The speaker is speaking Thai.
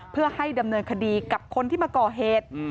เพื่อให้ดำเนินคดีกับคนที่มาก่อเหตุ